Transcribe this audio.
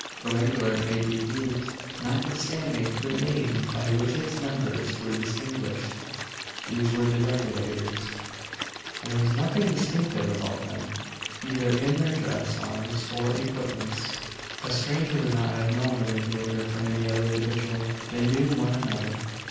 Irregular it may be deemed, notwithstanding the name by which its members were distinguished. These were the "Regulators." There was nothing distinctive about them, either in their dress, arms, or equipments. A stranger would not have known a Regulator from any other individual. They knew one another.